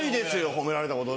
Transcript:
褒められたこと。